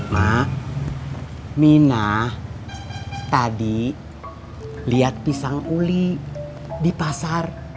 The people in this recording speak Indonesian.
mak mina tadi lihat pisang uli di pasar